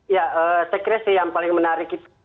ya saya kira sih yang paling menarik itu